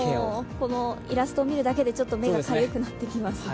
このイラスト見るだけでちょっと目がかゆくなってきます。